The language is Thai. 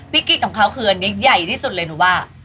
วิกฤตของเขาคืออันนี้ใหญ่ที่สุดเลยหนูว่า